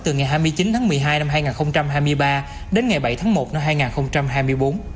từ ngày hai mươi chín tháng một mươi hai năm hai nghìn hai mươi ba đến ngày bảy tháng một năm hai nghìn hai mươi bốn